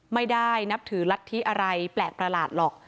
ไม่ได้นับถือรัฐธิอะไรแปลกประหลาดหรอก